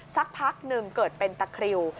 สักพักหนึ่งเกิดเป็นตะคริว